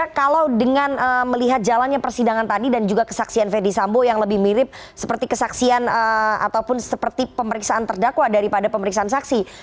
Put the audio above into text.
karena kalau dengan melihat jalannya persidangan tadi dan juga kesaksian verdi sambo yang lebih mirip seperti kesaksian ataupun seperti pemeriksaan terdakwa daripada pemeriksaan saksi